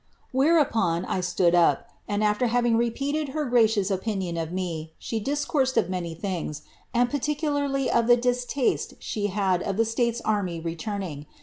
Where upon, I siood up, and after having repealed her gracious opinion of me, she dieeourted of many things, and pariicutarly of the distaste she lad of ihc States army returning.